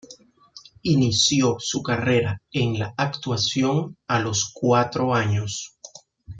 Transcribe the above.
Inició su carrera en la actuación a los cuatro años.